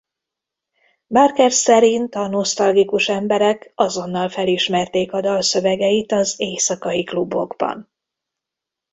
Barker szerint a nosztalgikus emberek azonnal felismerték a dalszövegeit az éjszakai klubokban.